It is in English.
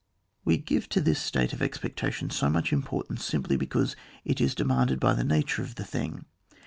We give to this state of expectation so much importance simply because it is demanded by the nature of the thing.